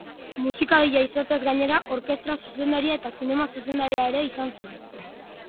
Musikagilea izateaz gainera, orkestra-zuzendaria eta zinema-zuzendaria ere izan zen.